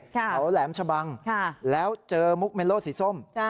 แถวแหลมชะบังแล้วเจอมุกเมโลสีส้ม